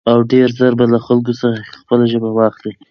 او ډېر زر به له خلکو څخه خپله ژبه واخلي.